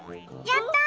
やった！